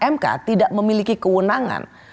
mk tidak memiliki kewenangan